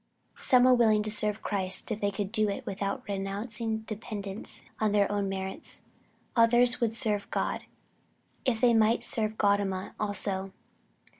Some were willing to serve Christ if they could do it without renouncing dependence on their own merits. Others would serve God, if they might serve Gaudama also.